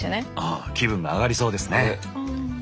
あ気分が上がりそうですね！